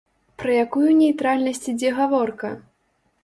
Пра якую нейтральнасць ідзе гаворка?